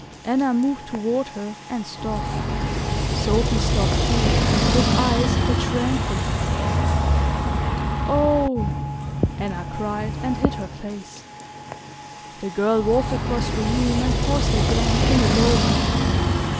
Anna moved toward her and stopped. Sophy stopped too, with eyes that shrank from her. "Oh " Anna cried, and hid her face. The girl walked across the room and paused again in the doorway.